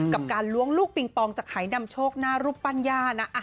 กับการล้วงลูกปิงปองจากหายนำโชคหน้ารูปปั้นย่านะ